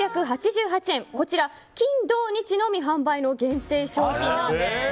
こちら、金土日のみ販売の限定商品なんです。